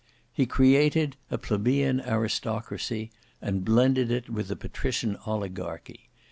He created a plebeian aristocracy and blended it with the patrician oligarchy.